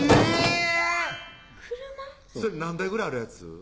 それ何台ぐらいあるやつ？